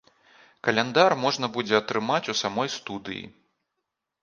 Каляндар можна будзе атрымаць у самой студыі.